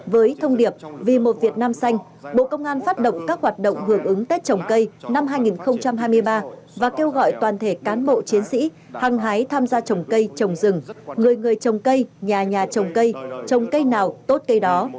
với thông điệp vì một việt nam xanh bộ công an phát động các hoạt động hưởng ứng tết trồng cây năm hai nghìn hai mươi ba và kêu gọi toàn thể cán bộ chiến sĩ hăng hái tham gia trồng cây trồng rừng người người trồng cây nhà nhà trồng cây trồng cây nào tốt cây đó